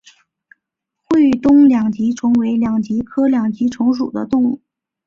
会东两极虫为两极科两极虫属的动物。